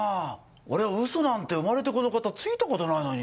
俺は嘘なんて生まれてこの方ついた事ないのに。